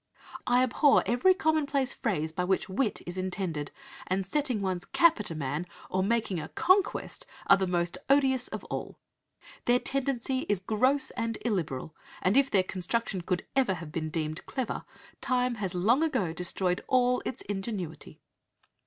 I abhor every commonplace phrase by which wit is intended; and 'setting one's cap' at a man, or 'making a conquest,' are the most odious of all. Their tendency is gross and illiberal; and if their construction could ever be deemed clever, time has long ago destroyed all its ingenuity."